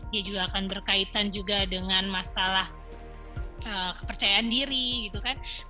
dia juga akan berkaitan juga dengan masalah kepercayaan diri gitu kan